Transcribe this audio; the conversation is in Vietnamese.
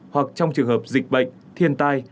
hoặc trong trường hợp dịch bệnh thiên tai